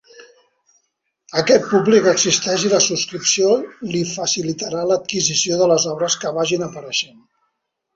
Aquest públic existeix i la subscripció li facilitarà l’adquisició de les obres que vagin apareixent.